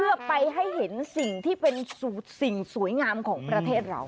เพื่อไปให้เห็นสิ่งที่เป็นสิ่งสวยงามของประเทศเรา